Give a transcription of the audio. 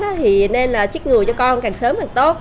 thì nên là trích ngừa cho con càng sớm càng tốt